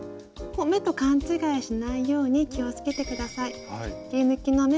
目と勘違いしないように気をつけて下さい。